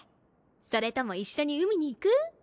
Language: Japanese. それとも一緒に海に行く？